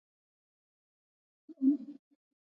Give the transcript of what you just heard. ازادي راډیو د د اوبو منابع په اړه پرله پسې خبرونه خپاره کړي.